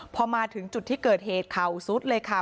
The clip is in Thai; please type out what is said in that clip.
พอมาถึงจุดที่เกิดเหตุเข่าซุดเลยค่ะ